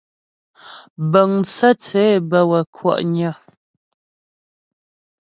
Bəŋ tsə̂tsě bə́ wə́ kwɔ'nyə.